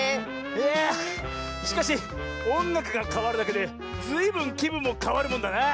いやしかしおんがくがかわるだけでずいぶんきぶんもかわるもんだなあ。